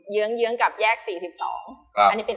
ต้องเยื้อร์กับแยก๔๒ด้านล่าง